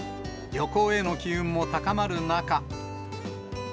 旅行への機運も高まる中。